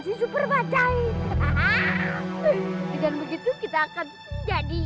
dia bakal culik itu sih robot bajaj